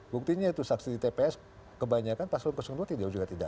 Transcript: buktinya itu saksi di tps kebanyakan pasolon dua juga tidak ada